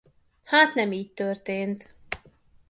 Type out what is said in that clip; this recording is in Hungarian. Hát nem így történt!